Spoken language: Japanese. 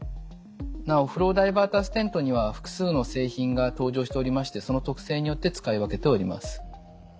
なおフローダイバーターステントには複数の製品が登場しておりましてその特性によって使い分けております。